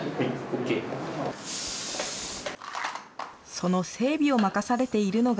その整備を任されているのが。